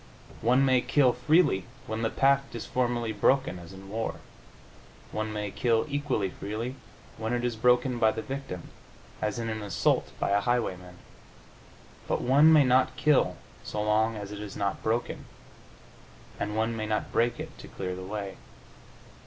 One may kill freely when the pact is formally broken, as in war. One may kill equally freely when it is broken by the victim, as in an assault by a highwayman. But one may not kill so long as it is not broken, and one may not break it to clear the way.